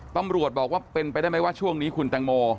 ตำรวจบอกว่าเป็นไปได้ไหมว่าช่วงนี้คุณแตงโม